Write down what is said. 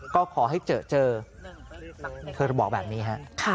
ก็ขอให้เจอเจอเธอบอกแบบนี้ฮะ